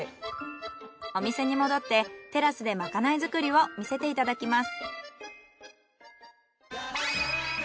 お店に戻ってテラスでまかない作りを見せていただきます。